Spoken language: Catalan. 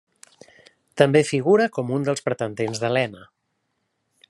També figura com un dels pretendents d'Helena.